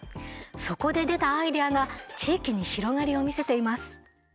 そこで出たアイデアが地域に広がりを見せています。